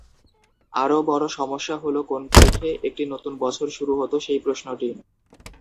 আরও বড়ো সমস্যা হল কোন তারিখে নতুন বছর শুরু হত সেই প্রশ্নটি।